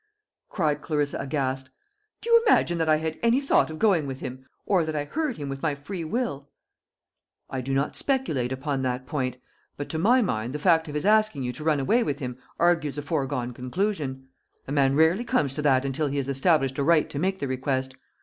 cried Clarissa aghast. "Do you imagine that I had any thought of going with him, or that I heard him with my free will?" "I do not speculate upon that point; but to my mind the fact of his asking you to run away with him argues a foregone conclusion. A man rarely comes to that until he has established a right to make the request.